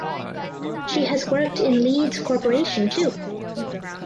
She has worked in Leeds Corporation too.